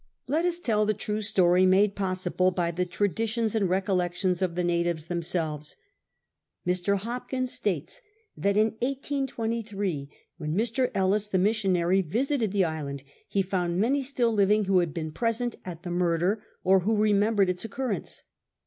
Let us tell the true story, made ]K)s siblc by the traditions and recollections of the natives themselves. Mr. Hopkins sttites that in 1823, when Mr. Ellis, the missionary, visited the island, hd' found many still living who had been preseiit at the murder, or who remembered its occurrence.